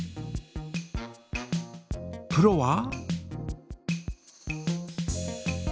プロは？